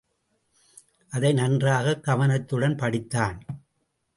அதை நன்றாக கவனத்துடன் படித்தான்.